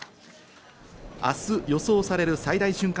明日予想される最大瞬間